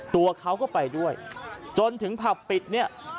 ตัวเขาก็ไปด้วยจนถึงผับปิดเนี่ย